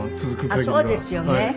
あっそうですよね。